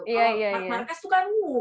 kalau mark marquez tuh kan wuh